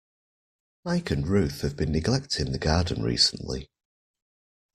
Mike and Ruth have been neglecting the garden recently.